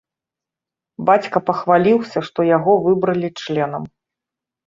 Бацька пахваліўся, што яго выбралі членам.